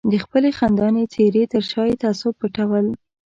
د خپلې خندانې څېرې تر شا یې تعصب پټول.